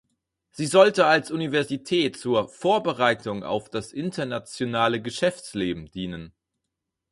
Sie sollte als Universität zur „Vorbereitung auf das internationale Geschäftsleben"“ dienen.